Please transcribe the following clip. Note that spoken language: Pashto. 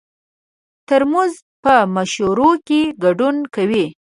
ترموز په مشورو کې ګډون کوي.